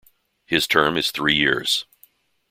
His term is three years.